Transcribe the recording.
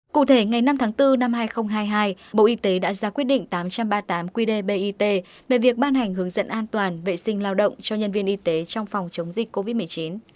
cụ thể ngày năm tháng bốn năm hai nghìn hai mươi hai bộ y tế đã ra quyết định tám trăm ba mươi tám qdbit về việc ban hành hướng dẫn an toàn vệ sinh lao động cho nhân viên y tế trong phòng chống dịch covid một mươi chín